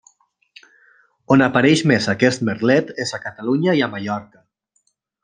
On apareix més aquest merlet és a Catalunya i a Mallorca.